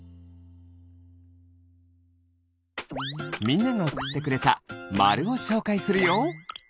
みんながおくってくれたまるをしょうかいするよ。